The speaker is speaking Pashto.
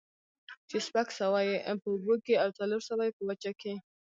چې شپږ سوه ئې په اوبو كي او څلور سوه ئې په وچه كي